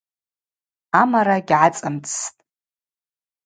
Амара гьгӏацӏымцӏстӏ.